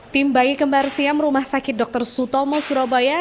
tim bayi kembar siam rumah sakit dr sutomo surabaya